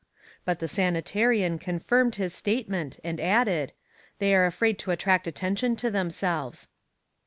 But the sanitarian confirmed his statement and added: they are afraid to attract attention to themselves.